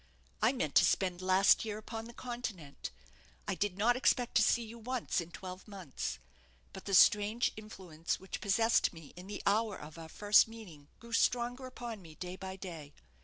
I meant to spend last year upon the Continent. I did not expect to see you once in twelve months; but the strange influence which possessed me in the hour of our first meeting grew stronger upon me day by day.